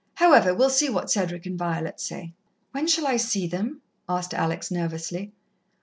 However, we'll see what Cedric and Violet say." "When shall I see them?" asked Alex nervously.